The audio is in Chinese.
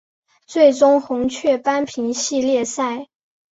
最终红雀扳平系列赛。